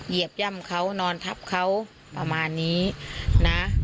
เหยีย่ำเขานอนทับเขาประมาณนี้นะ